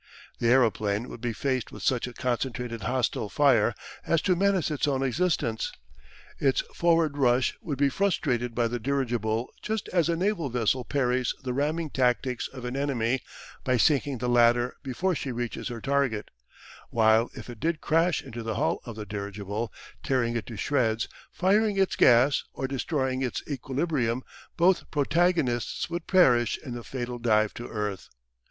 The aeroplane would be faced with such a concentrated hostile fire as to menace its own existence its forward rush would be frustrated by the dirigible just as a naval vessel parries the ramming tactics of an enemy by sinking the latter before she reaches her target, while if it did crash into the hull of the dirigible, tearing it to shreds, firing its gas, or destroying its equilibrium, both protagonists would perish in the fatal dive to earth.